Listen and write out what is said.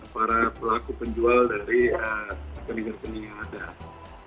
para pelaku penjual dari rekening rekening yang ada